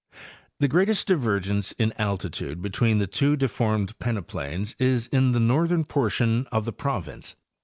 The greatest divergence in altitude between the two deformed peneplains is in the northern portion of the province.